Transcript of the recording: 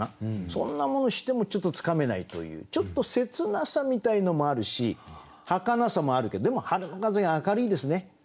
そんなものしてもちょっとつかめないというちょっと切なさみたいのもあるしはかなさもあるけどでも「春の風」が明るいですね。